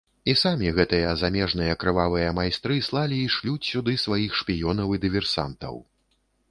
І самі гэтыя замежныя крывавыя майстры слалі і шлюць сюды сваіх шпіёнаў і дыверсантаў.